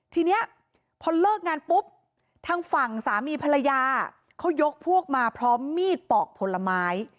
ทีนี้พอเลิกงานปุ๊บทางฝั่งสามีภรรยาเขายกพวกมาพร้อมมีดปอกผลไม้